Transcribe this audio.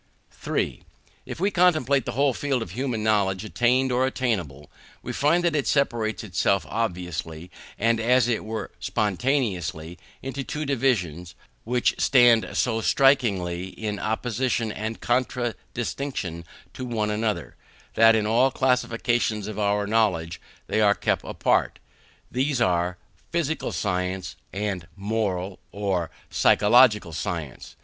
3. If we contemplate the whole field of human knowledge, attained or attainable, we find that it separates itself obviously, and as it were spontaneously, into two divisions, which stand so strikingly in opposition and contradistinction to one another, that in all classifications of our knowledge they have been kept apart. These are, physical science, and moral or psychological science.